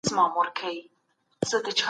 په ناحقه د نورو مال مه اخلئ.